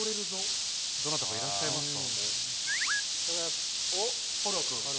どなたかいらっしゃいますか？